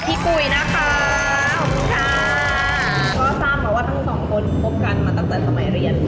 พบกันมาตั้งแต่สมัยเรียน